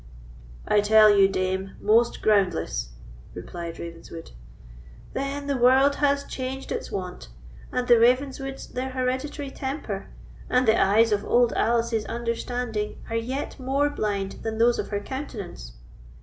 "I tell you, dame, most groundless," replied Ravenswood. "Then the world has changed its wont, and the Ravenswoods their hereditary temper, and the eyes of Old Alice's understanding are yet more blind than those of her countenance.